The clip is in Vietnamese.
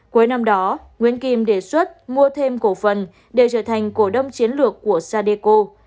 cuối năm đó nguyễn kim đề xuất mua thêm cổ phần đều trở thành cổ đông chiến lược của sadeco